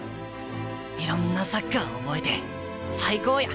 いろんなサッカーを覚えて最高や！